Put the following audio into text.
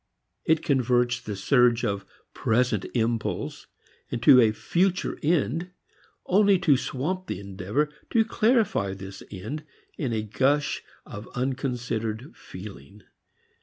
It converts the surge of present impulse into a future end only to swamp the endeavor to clarify this end in a gush of unconsidered feeling.